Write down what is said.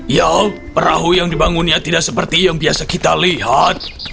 ya perahu yang dibangunnya tidak seperti yang biasa kita lihat